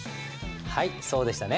はいそうでしたね。